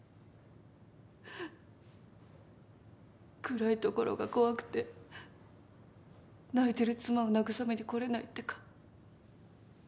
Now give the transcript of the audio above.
暗い所が怖くて泣いてる妻を慰めに来れないってか。